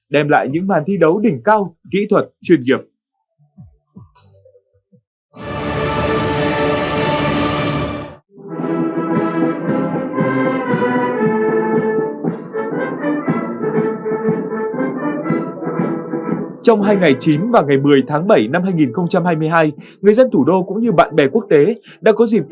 đem lại những màn thi đấu đỉnh cao kỹ thuật chuyên nghiệp